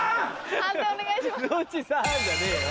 判定お願いします。